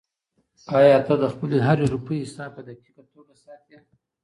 آیا ته د خپلې هرې روپۍ حساب په دقیقه توګه ساتې؟